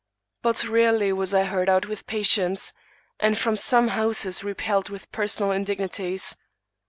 But rarely was I heard out with patience ; and from some houses repelled with personal indignities.